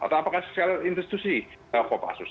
atau apakah secara institusi kop asus